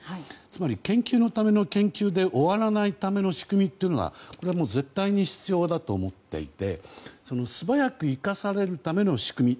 つまり研究のための研究で終わらないための仕組みが絶対に必要だと思っていて素早く生かされるための仕組み